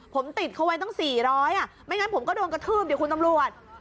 ผมติดเขาไว้ตั้ง๔๐๐ไม่งั้นผมก็โดนกระทืบดิคุณตำรวจ